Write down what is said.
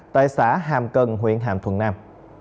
tại xã hàm cần huyện hàm thuận nam